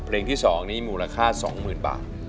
เพลงที่๒นี้มูลค่า๒๐๐๐บาท